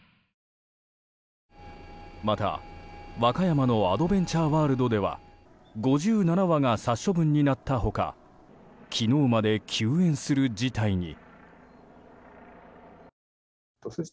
また、和歌山のアドベンチャーワールドでは５７羽が殺処分になった他昨日まで休園する事態に。